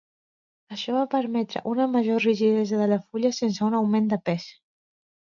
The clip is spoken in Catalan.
Això va permetre una major rigidesa de la fulla sense un augment de pes.